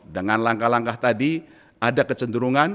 dengan langkah langkah tadi ada kecenderungan